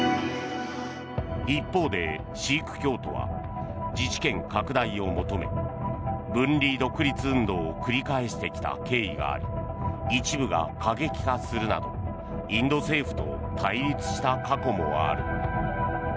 一方で、シーク教徒は自治権拡大を求め分離独立運動を繰り返してきた経緯があり一部が過激化するなどインド政府と対立した過去もある。